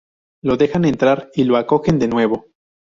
Lo dejan entrar y lo acogen de nuevo.